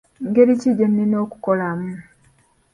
Ngeri ki gyennina okukolamu?